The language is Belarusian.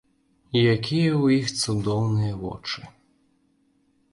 Якія ў іх цудоўныя вочы!